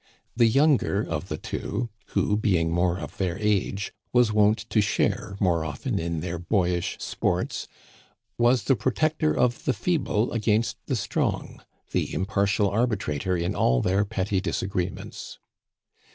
The younger of the two, who, being more of their age, was wont to share more often in their boyish sports, was the protector of the feeble against the strong, the impartial arbitrator in all their petty disagreements.